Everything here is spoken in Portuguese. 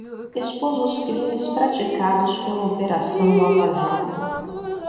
Expôs os crimes praticados pela operação Lava Jato